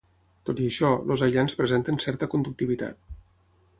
Tot i això, els aïllants presenten certa conductivitat.